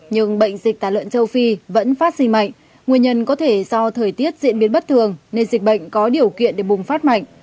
nhưng bệnh dịch tả lợn châu phi vẫn phát sinh mạnh nguyên nhân có thể do thời tiết diễn biến bất thường nên dịch bệnh có điều kiện để bùng phát mạnh